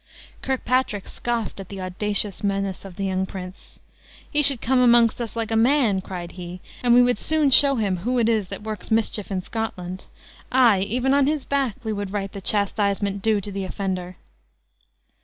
Kirkpatrick scoffed at the audacious menace of the young prince. "He should come amongst us, like a man," cried he; "and we would soon show him who it is that works mischief in Scotland! Ay, even on his back, we would write the chastisement due to the offender."